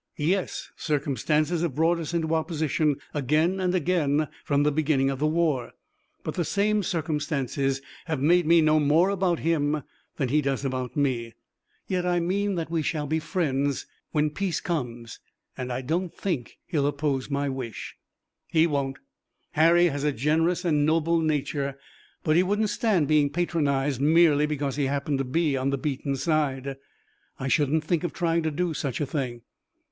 "Yes, circumstances have brought us into opposition again and again from the beginning of the war, but the same circumstances have made me know more about him than he does about me. Yet I mean that we shall be friends when peace comes, and I don't think he'll oppose my wish." "He won't. Harry has a generous and noble nature. But he wouldn't stand being patronized, merely because he happened to be on the beaten side." "I shouldn't think of trying to do such a thing.